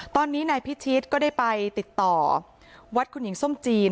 ตอนนี้นายพิชิตก็ได้ไปติดต่อวัดคุณหญิงส้มจีน